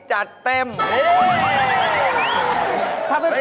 จำไว้หน้าตาพี่ยอมแพ้